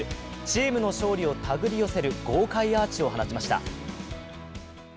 チームの勝利を手繰り寄せる豪快アーチを放ちました。